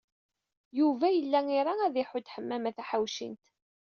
Yuba yella ira ad iḥudd Ḥemmama Taḥawcint.